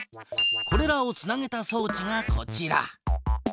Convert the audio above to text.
これらをつなげたそうちがこちら。